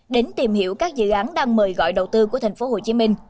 đến tìm hiểu các dự án đang mời gọi đầu tư của thành phố hồ chí minh